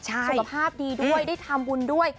สุขภาพดีด้วยได้ทำบุญด้วย